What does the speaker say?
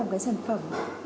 một cái sản phẩm